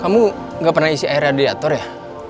kamu gak pernah isi air radiator ya